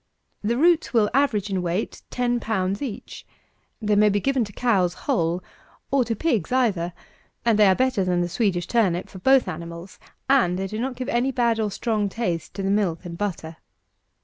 The roots will average in weight 10 lbs. each. They may be given to cows whole, or to pigs either, and they are better than the Swedish turnip for both animals; and they do not give any bad or strong taste to the milk and butter.